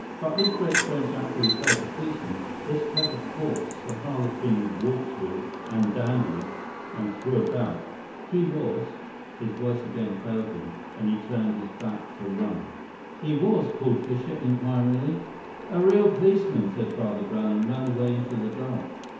But this great French actor who played the policeman this clever corpse the harlequin waltzed with and dandled and threw about he was " His voice again failed him, and he turned his back to run. "He was?" called Fischer inquiringly. "A real policeman," said Father Brown, and ran away into the dark.